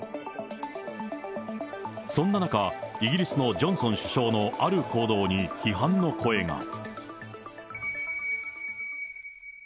そんな中、イギリスのジョンソン首相のある行動に批判の声が。